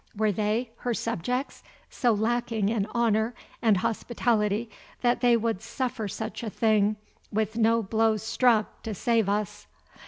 Were they, her subjects, so lacking in honour and hospitality that they would suffer such a thing with no blow struck to save us?